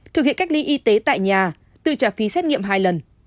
thực hiện cách ly y tế tại nhà tự trả phí xét nghiệm hai lần